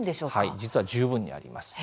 はい、実は十分にあります。